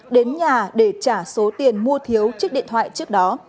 đến nhà để trả số tiền mua thiếu chiếc điện thoại trước đó